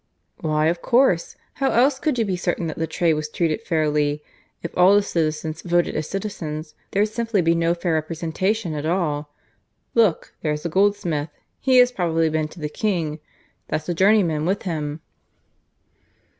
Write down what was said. "Why, of course! How else could you be certain that the trade was treated fairly? If all the citizens voted as citizens, there'd simply be no fair representation at all. Look; there's a goldsmith he has probably been to the King; that's a journeyman with him."